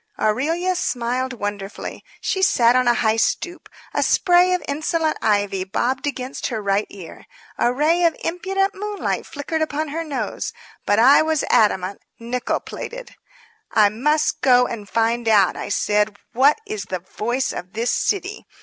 Aurelia smiled wonderfully. She sat on the high stoop. A spray of insolent ivy bobbed against her right ear. A ray of impudent moonlight flickered upon her nose. But I was adamant, nickel plated. "I must go and find out," I said, "what is the Voice of this City.